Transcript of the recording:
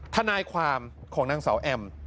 ทนายความของนางสาวแอม